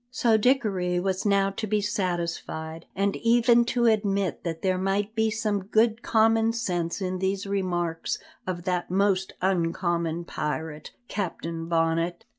So Dickory was now to be satisfied, and even to admit that there might be some good common sense in these remarks of that most uncommon pirate, Captain Bonnet.